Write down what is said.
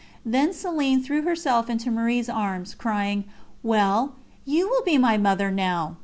Then Céline threw herself into Marie's arms, crying: "Well, you will be my Mother now."